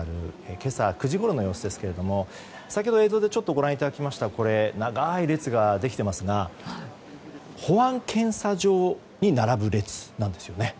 今朝９時ごろの様子ですが先ほど映像でご覧いただきましたように長い列ができていますが保安検査場に並ぶ列なんですね。